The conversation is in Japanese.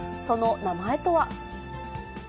その名前とは。